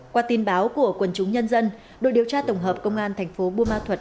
qua tin báo của quần chúng nhân dân đội điều tra tổng hợp công an tp bumathuat